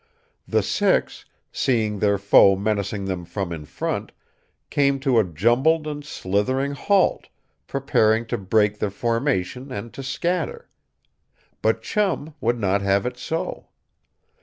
The six, seeing their foe menacing them from in front, came to a jumbled and slithering halt, preparing to break their formation and to scatter. But Chum would not have it so.